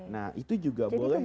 nah itu juga boleh